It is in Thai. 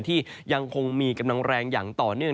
ที่ยังคงมีกำลังแรงอย่างต่อเนื่อง